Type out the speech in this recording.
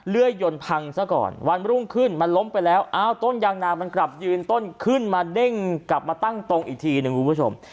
ยนต์พังซะก่อนวันรุ่งขึ้นมันล้มไปแล้วอ้าวต้นยางนามันกลับยืนต้นขึ้นมาเด้งกลับมาตั้งตรงอีกทีหนึ่งคุณผู้ชม